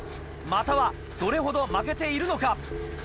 またはどれほど負けているのか？